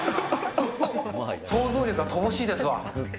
想像力が乏しいですわ。